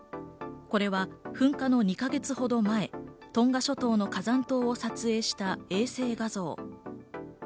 これは噴火の２か月ほど前、トンガ諸島の火山島を撮影した衛星画像。